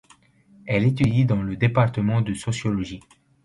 Elle étudie dans le département de sociologie.